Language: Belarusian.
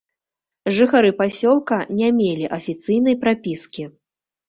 Жыхары пасёлка не мелі афіцыйнай прапіскі.